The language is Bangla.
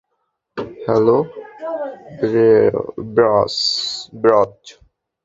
হ্যালো, ব্র্যায!